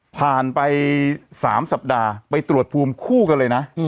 ผ่านไป๓สัปดาห์ไปตรวจภูมิคู่กันเลยนะ